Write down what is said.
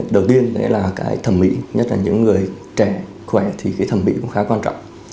đầu tiên đấy là cái thẩm mỹ nhất là những người trẻ khỏe thì cái thẩm mỹ cũng khá quan trọng